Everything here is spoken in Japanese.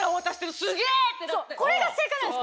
これが正解なんです。